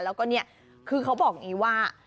แล้วก็เนี่ยคือเขาบอกอย่างนี้ว่า